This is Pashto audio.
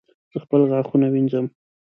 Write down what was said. زه خپل غاښونه وینځم